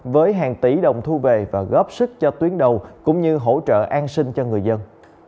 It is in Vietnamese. với hàng tỷ đồng thu về và góp sức cho tuyến đầu cũng như hỗ trợ an sinh cho người dân